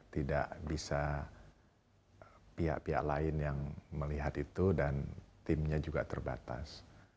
tidak bisa pihak pihak lain yang melihat itu dan timnya juga terbatas